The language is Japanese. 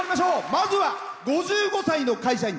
まずは５５歳の会社員。